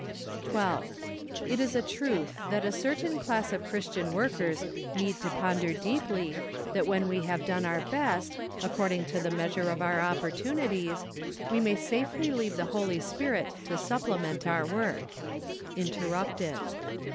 12. It is a truth, that a certain class of Christian workers need to ponder deeply, that when we have done our best, accord¬ ing to the measure of our opportunities, we may safely leave the Holy Spirit to supple¬ ment our work. Interrupted.